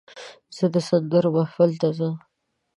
زه د سندرو محفل ته ځم.